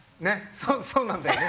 そうなんだよね。